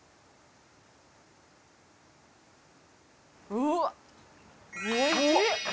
うわっ